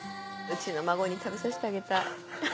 うちの孫に食べさせてあげたい。